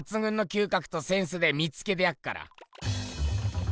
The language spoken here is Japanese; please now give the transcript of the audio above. かくとセンスで見つけてやっから。